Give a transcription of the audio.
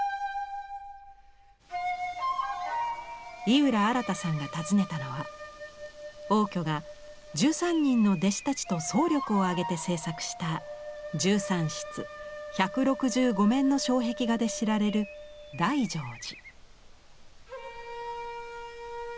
井浦新さんが訪ねたのは応挙が１３人の弟子たちと総力を挙げて制作した１３室１６５面の障壁画で知られる大乗寺。